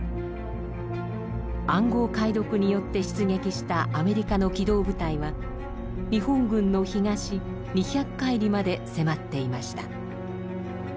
暗号解読によって出撃したアメリカの機動部隊は日本軍の東２００海里まで迫っていました。